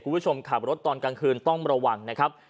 คุณผู้ชมขับรถตอนกลางคืนต้องระวังนะครับ